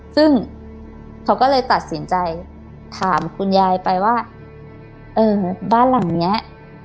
ซึ่งเขาก็เลยตัดสินใจถามคุณยายไปว่าเออบ้านหลังเนี้ย